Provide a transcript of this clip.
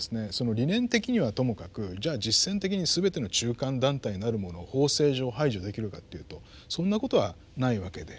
理念的にはともかくじゃ実践的にすべての中間団体なるものを法制上排除できるかっていうとそんなことはないわけで。